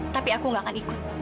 tapi aku gak akan ikut